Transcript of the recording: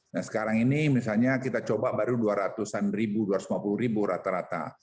nah sekarang ini misalnya kita coba baru dua ratus an ribu dua ratus lima puluh ribu rata rata